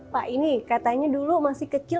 pak ini katanya dulu masih kecil